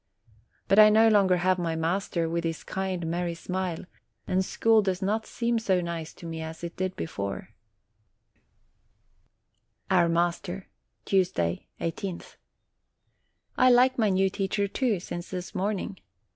But I no longer have my master, with his kind, merry smile, and school does not seem so nice to me as it did before. OCTOBER OUR MASTER Tuesday, i8th. I like my new teacher too, since this morning.